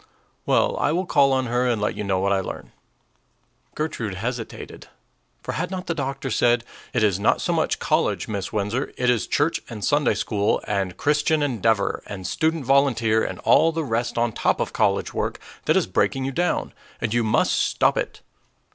"Well, I will call on her, and let you know what I learn." Gertrude hesitated; for had not the doctor said "It is not so much college, Miss Windsor; it is church and Sunday school and Christian Endeavor and Student Volunteer, and all the rest on top of college work that is breaking you down, and you must stop it"?